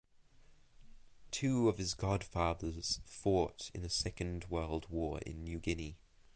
Two of his grandfathers fought in the Second World War in New Guinea.